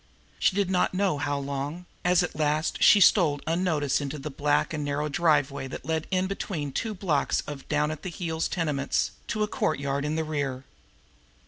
She did not know how long, as, at last, she stole unnoticed into a black and narrow driveway that led in, between two blocks of down at the heels tenements, to a courtyard in the rear.